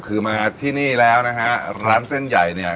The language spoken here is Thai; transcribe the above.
คือมาที่นี่แล้วนะฮะร้านเส้นใหญ่เนี่ย